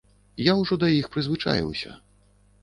Я ўжо да іх прызвычаіўся.